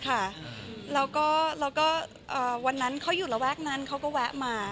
แล้วก็วันนั้นเขาอยู่ระแวกนั้นเขาก็แวะมา